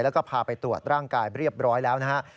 แล้วก็พาไปตรวจร่างกายเรียบร้อยแล้วนะฮะ